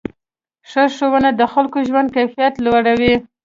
ښه ښوونه د خلکو ژوند کیفیت لوړوي.